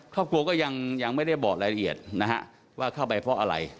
ครอบครัวก็ยังไม่ได้บอกรายละเอียดนะฮะว่าเข้าไปเพราะอะไร